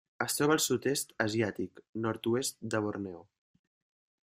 Es troba al Sud-est asiàtic: nord-oest de Borneo.